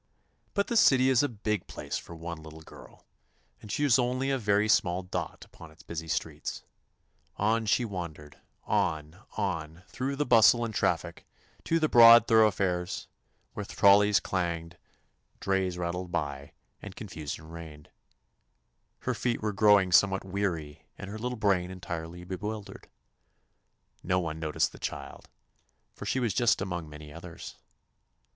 But the city is a big place for one little girl, and she was only a very small dot upon its busy streets. On 148 'Hi! Hi! Look out!" shouted the motor man. TOMMY POSTOFFICE she wandered — on — on — through the bustle and traffic, to the broad thor oughfares, where trolleys clanged, drays rattled by, and confusion reigned. Her feet were growing somewhat weary and her little brain entirely bewildered. No one noticed the child, for she was just one among many others.